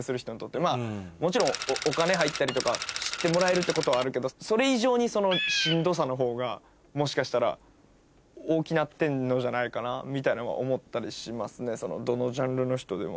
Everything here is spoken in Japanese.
もちろんお金入ったりとか知ってもらえるってことはあるけどそれ以上にしんどさのほうがもしかしたら大きなってんのじゃないかなみたいなのは思ったりしますねどのジャンルの人でも。